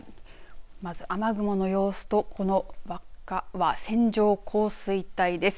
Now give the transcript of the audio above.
まず雨雲の様子とこの輪っかは線状降水帯です。